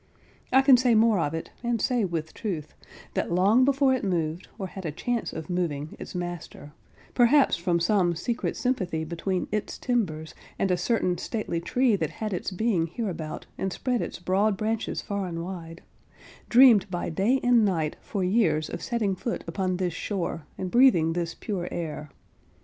I can say more of it, and say with truth, that long before it moved, or had a chance of moving, its master—perhaps from some secret sympathy between its timbers, and a certain stately tree that has its being hereabout, and spreads its broad branches far and wide—dreamed by day and night, for years, of setting foot upon this shore, and breathing this pure air.